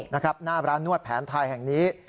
หน้าร้านนวดแผนไทยแห่งนี้